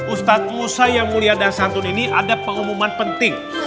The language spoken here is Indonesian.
ustadz musa yang mulia dan santun ini ada pengumuman penting